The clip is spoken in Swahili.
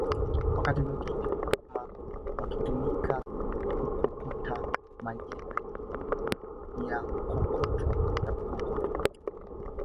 Wakati mwingine kulimia wakitumika kukokota majembe ya kukokotwa